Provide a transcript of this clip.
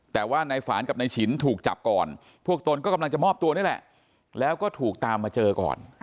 แต่ว่านายฝานกับนายฉินถูกจับก่อนพวกตนก็กำลังจะมอบตัวนี่แหละแล้วก็ถูกตามมาเจอก่อน